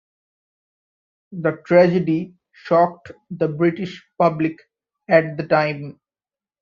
The tragedy shocked the British public at the time.